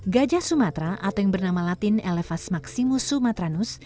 gajah sumatra atau yang bernama latin elevas maximus sumatranus